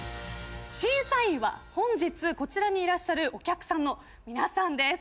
審査員は本日こちらにいらっしゃるお客さんの皆さんです。